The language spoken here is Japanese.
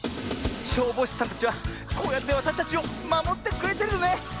消防士さんたちはこうやってわたしたちをまもってくれてるのね！